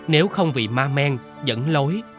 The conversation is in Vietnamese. nếu không vì ma men dẫn lối